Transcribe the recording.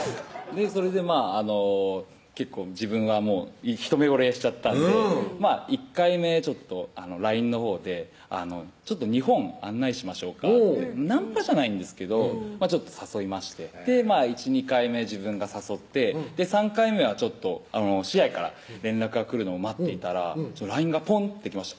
それで結構自分は一目惚れしちゃったんで１回目ＬＩＮＥのほうで「日本案内しましょうか？」ってナンパじゃないんですけど誘いまして１２回目自分が誘って３回目は詩愛から連絡がくるのを待っていたらＬＩＮＥがぽんってきました